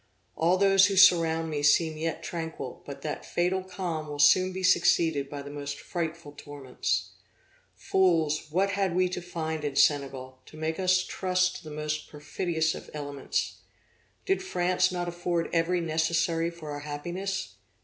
All those who surround me seem yet tranquil, but that fatal calm will soon be succeeded by the most frightful torments. Fools, what had we to find in Senegal, to make us trust to the most perfidious of elements! Did France not afford every necessary for our happiness?